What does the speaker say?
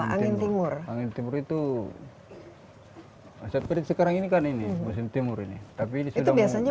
angin timur angin timur itu hai seperti sekarang ini kan ini musim timur ini tapi itu biasanya